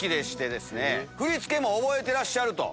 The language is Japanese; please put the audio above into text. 振り付けも覚えてらっしゃると。